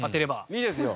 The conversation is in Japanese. いいですよ。